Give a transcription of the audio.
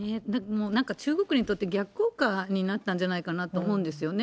なんか中国にとって、逆効果になったんじゃかなと思うんですよね。